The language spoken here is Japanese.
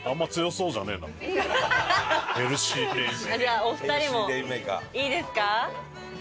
じゃあお二人もいいですか？